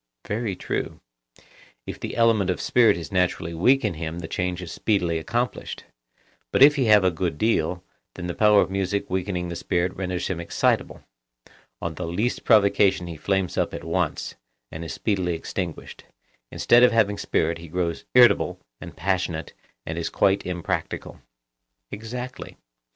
Very true. If the element of spirit is naturally weak in him the change is speedily accomplished, but if he have a good deal, then the power of music weakening the spirit renders him excitable;—on the least provocation he flames up at once, and is speedily extinguished; instead of having spirit he grows irritable and passionate and is quite impracticable. Exactly.